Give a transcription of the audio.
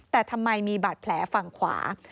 แต่ทำไมมีบาดแผลฝั่งขวา